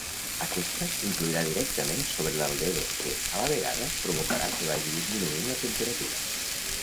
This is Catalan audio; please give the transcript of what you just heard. Aquesta influirà directament sobre l’albedo que, a la vegada, provocarà que vagi disminuint la temperatura.